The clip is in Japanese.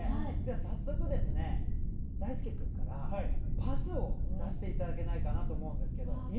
早速ですね、だいすけ君からパスを出していただけないかなと思うんですけど。